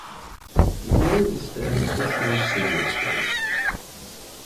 Below is the unofficial singles race.